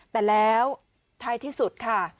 แต่แล้วท้ายที่สุดค่ะ